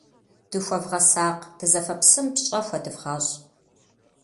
Дыхуэвгъэсакъ, дызэфэ псым пщӀэ хуэдывгъэщӀ.